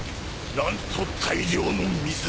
なんと大量の水！